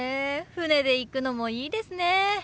船で行くのもいいですね。